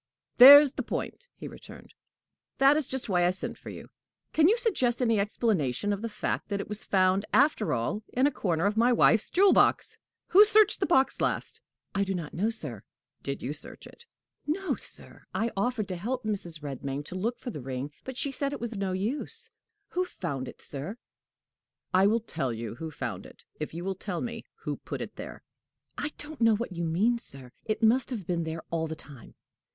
"There's the point!" he returned. "That is just why I sent for you! Can you suggest any explanation of the fact that it was found, after all, in a corner of my wife's jewel box? Who searched the box last?" "I do not know, sir." "Did you search it?" "No, sir. I offered to help Mrs. Redmain to look for the ring, but she said it was no use. Who found it, sir?" "I will tell you who found it, if you will tell me who put it there." "I don't know what you mean, sir. It must have been there all the time."